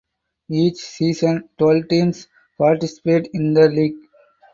Each season twelve teams participate in the league.